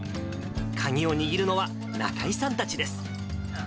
鍵を握るのは仲居さんたちです。